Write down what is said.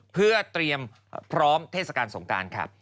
เพื่อเตรียมพร้อมเทศกาลสงการค่ะ